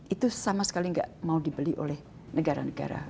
itu sama sekali nggak mau dibeli oleh negara negara